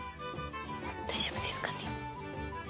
大丈夫ですかね？